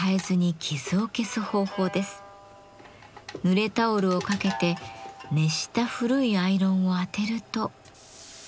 ぬれタオルをかけて熱した古いアイロンを当てると。